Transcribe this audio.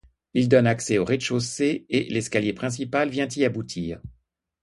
Il donne accès au rez-de-chaussée, et l'escalier principal vient y aboutir.